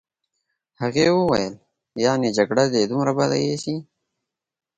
هغې وویل: یعني جګړه دي دومره بده ایسي.